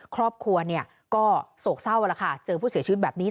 ครอบครัวเนี่ยก็โศกเศร้าแล้วค่ะเจอผู้เสียชีวิตแบบนี้